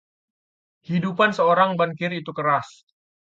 Kehidupan seorang bankir itu keras.